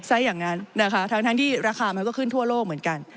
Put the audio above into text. ซะอย่างนั้นนะคะทั้งที่ราคามันก็ขึ้นทั่วโลกเหมือนกัน